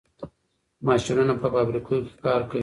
ماشینونه په فابریکو کې کار کوي.